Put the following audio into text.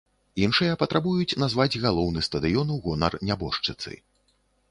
Іншыя патрабуюць назваць галоўны стадыён у гонар нябожчыцы.